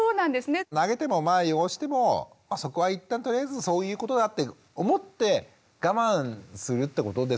投げてもまあ汚してもそこは一旦とりあえずそういうことだって思って我慢するってことですかね。